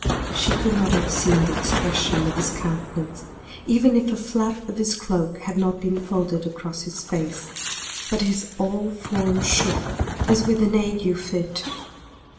She could not have seen the expression of his countenance, even if a flap of his cloak had not been folded across his face; but his whole form shook as with an ague fit.